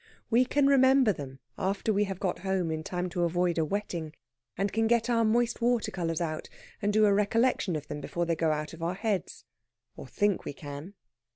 We can remember them after we have got home in time to avoid a wetting, and can get our moist water colours out and do a recollection of them before they go out of our heads or think we can.